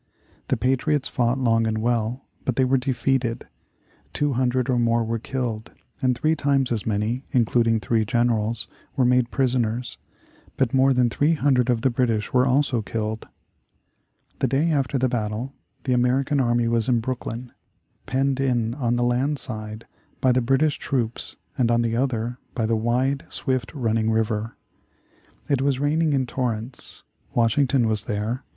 The patriots fought long and well, but they were defeated. Two hundred or more were killed, and three times as many, including three generals, were made prisoners. But more than 300 of the British were also killed. The day after the battle, the American army was in Brooklyn, penned in on the land side by the British troops and on the other by the wide, swift running river. It was raining in torrents. Washington was there.